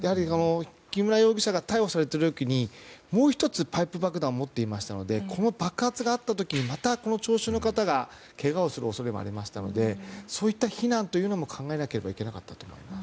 木村容疑者が逮捕されている時にもう１つ、パイプ爆弾を持っていましたのでこの爆発があった時に聴衆の方がけがをする恐れもありましたのでそういった避難というのも考えなければいけなかったと思います。